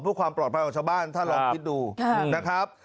เพื่อความปลอดภัยของชาวบ้านถ้าลองคิดดูนะครับ